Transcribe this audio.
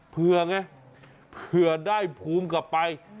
เพื่อไงเผื่อได้ภูมิกลับไป